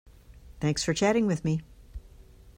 Thanks for chatting with me.